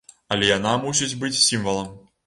Але яна мусіць быць сімвалам.